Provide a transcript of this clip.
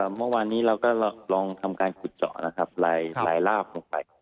เมื่อวานนี้เราก็ลองทำการขุดเจาะนะครับลายลาบลงไป